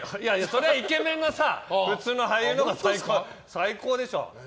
それはイケメンの普通の俳優のほうが最高でしょ。